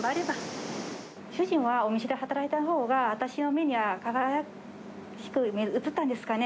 主人はお店で働いたほうが、私の目には輝かしく映ったんですかね。